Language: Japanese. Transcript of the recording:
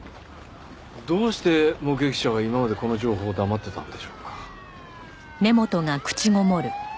どうして目撃者は今までこの情報を黙ってたんでしょうか？